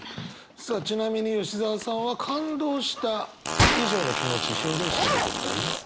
さあちなみに吉澤さんは感動した以上の気持ち表現したことってあります？